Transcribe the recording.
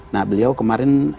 nah beliau kemarin